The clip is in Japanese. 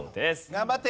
頑張って！